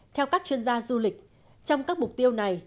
theo các chuyên gia du lịch trong các mục tiêu này